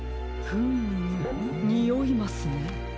フームにおいますね。